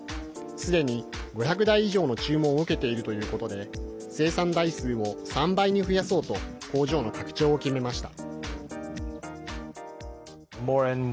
すでに５００台以上の注文を受けているということで生産台数を３倍に増やそうと工場の拡張を決めました。